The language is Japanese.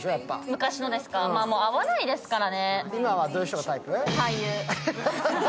昔のですか、まあ会わないですからね。